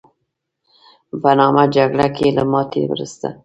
د تریاکو په نامه جګړه کې له ماتې وروسته.